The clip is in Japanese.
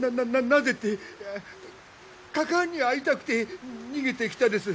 なぜってかかあに会いたくて逃げてきたです。